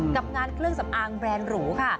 กับงานเครื่องสำอางแบรนด์หรูค่ะ